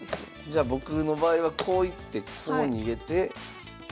じゃあ僕の場合はこう行ってこう逃げて。